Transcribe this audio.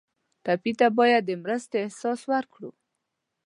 ټپي ته باید د مرستې احساس ورکړو.